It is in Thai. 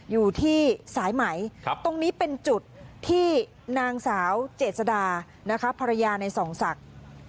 อยู่ที่สายไหมตรงนี้เป็นจุดที่นางสาวเจษดานะคะภรรยาในส่องศักดิ์